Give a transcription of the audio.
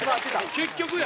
結局や。